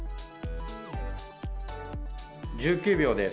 １９秒です。